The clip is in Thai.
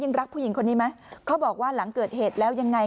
รักผู้หญิงคนนี้ไหมเขาบอกว่าหลังเกิดเหตุแล้วยังไง